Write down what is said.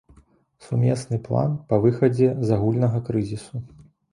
Сумесны план па выхадзе з агульнага крызісу.